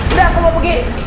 udah aku mau pergi